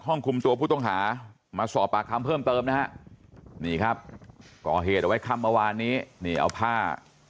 คุมตัวผู้ต้องหามาสอบปากคำเพิ่มเติมนะฮะนี่ครับก่อเหตุเอาไว้ค่ำเมื่อวานนี้นี่เอาผ้า